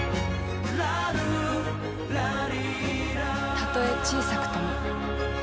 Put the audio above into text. たとえ小さくとも。